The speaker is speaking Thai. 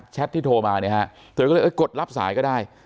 แชทที่โทรมาเธอก็เลยกดรับสายก็ได้